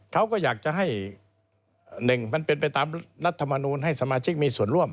เขาก็อยากจะให้เป็นไปตามรัฐมานูนให้สมาชิกเค้ามีส่วนร่วม